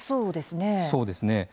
そうですね。